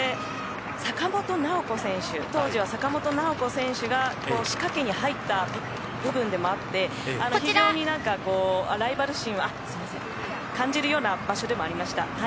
そして当時は坂本直子選手が仕掛けに入った部分でもあって非常にライバル心を感じるような場所でもありました。